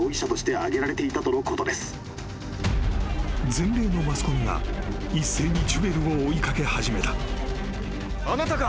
［全米のマスコミが一斉にジュエルを追い掛け始めた］